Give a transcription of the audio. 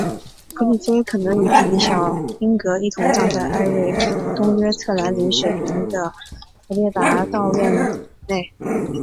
菲里普可能与弟弟小英格一同葬在瑞典东约特兰林雪坪的弗列达修道院内。